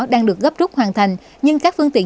đang được gấp rút hoàn thành nhưng các phương tiện